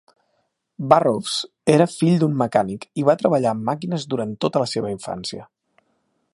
Burroughs era fill d'un mecànic i va treballar amb màquines durant tota la seva infància.